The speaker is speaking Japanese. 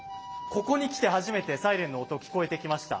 ここに来て初めてサイレンの音が聞こえてきました。